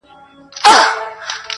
هرچا ته ځکهیاره بس چپه نیسم لاسونه,